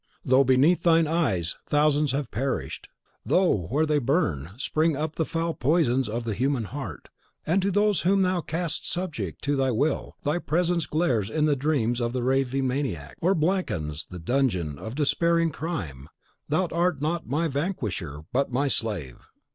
Though beneath thine eyes thousands have perished; though, where they burn, spring up the foul poisons of the human heart, and to those whom thou canst subject to thy will, thy presence glares in the dreams of the raving maniac, or blackens the dungeon of despairing crime, thou art not my vanquisher, but my slave!"